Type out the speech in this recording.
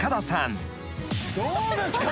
どうですか？